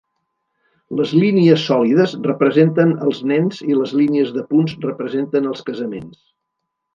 Les línies sòlides representen els nens i las línies de punts representen els casaments.